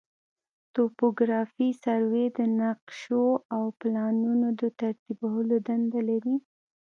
توپوګرافي سروې د نقشو او پلانونو د ترتیبولو دنده لري